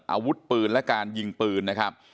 อาวุธปืนและการยิงปืนนะครับ